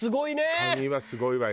紙はすごいわよ。